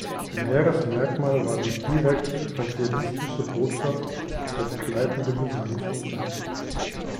Primäres Merkmal war die direkte evangelistische Botschaft und der begleitende Gesang von Sankey.